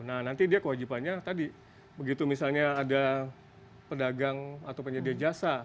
nah nanti dia kewajibannya tadi begitu misalnya ada pedagang atau penyedia jasa